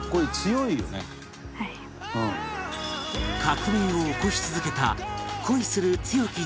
革命を起こし続けた恋する強き